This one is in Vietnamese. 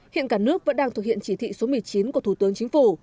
hiện cả nước vẫn đang thực hiện chỉ thị số một mươi chín của thủ tướng chính phủ